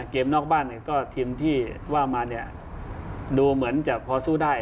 เกมนอกบ้านก็ทีมที่ว่ามาเนี่ยดูเหมือนจะพอสู้ได้